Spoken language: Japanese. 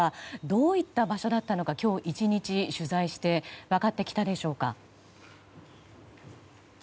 どういった場所だったのか今日１日取材して分かってきたでしょうか。